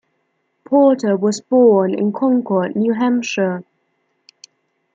Porter was born in Concord, New Hampshire.